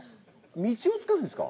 道を作るんですか？